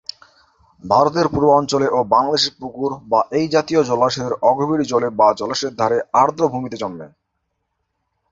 ভারতের পূর্বাঞ্চলে ও বাংলাদেশের পুকুর বা এই জাতীয় জলাশয়ের অগভীর জলে বা জলাশয়ের ধারে আর্দ্র ভূমিতে জন্মে।